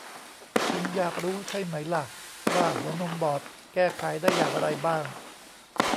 คงอยากรู้ใช่ไหมล่ะ ว่าหัวนมบอดแก้ไขได้อย่างไรบ้าง